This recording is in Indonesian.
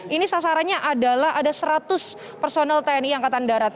ini sasarannya adalah ada seratus personel tni angkatan darat